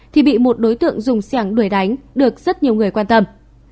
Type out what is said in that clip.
thì bị một đối tượng dùng xe hàng đuổi đánh được rất nhiều người quan tâm